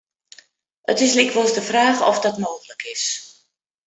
It is lykwols de fraach oft dat mooglik is.